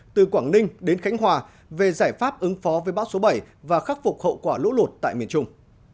từ quảng ninh đến khánh hòa về giải pháp ứng phó với bão số bảy và khắc phục hậu quả lũ lụt tại miền trung